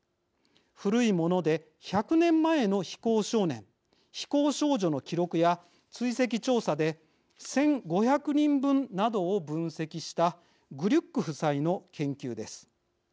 古いもので１００年前の非行少年、非行少女の記録や追跡調査で１５００人分などを分析したグリュック夫妻の研究です。